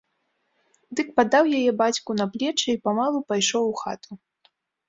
Дык паддаў яе бацьку на плечы й памалу пайшоў у хату.